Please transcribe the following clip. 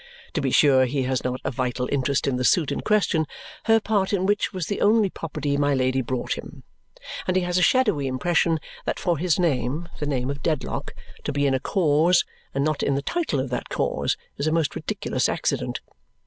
To be sure, he has not a vital interest in the suit in question, her part in which was the only property my Lady brought him; and he has a shadowy impression that for his name the name of Dedlock to be in a cause, and not in the title of that cause, is a most ridiculous accident.